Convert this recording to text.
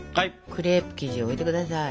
クレープ生地を置いて下さい。